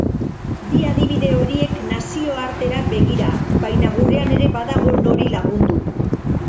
Bi adibide horiek nazioartera begira baina gurean ere badago nori lagundu.